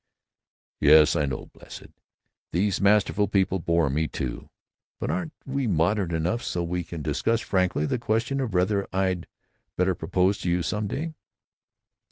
"Yes, I know, blessed; these masterful people bore me, too. But aren't we modern enough so we can discuss frankly the question of whether I'd better propose to you, some day?"